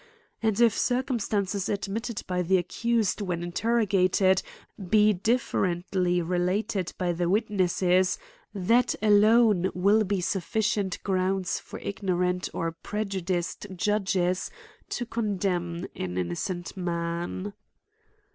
And, if circumstances admitted by the accused when interrogated, be differently related by the witnesses, that alone will be sufficient grounds for ignorant or prejudiced judges to condemn an innocent man.